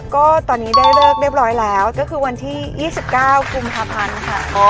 ก็ตอนนี้ได้เลิกเรียบร้อยแล้วก็คือวันที่๒๙กุมภาพันธ์ค่ะ